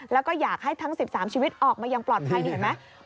แล้วก็อยากให้ทั้ง๑๓ชีวิตออกมายังปลอดภัยนี่เห็นไหม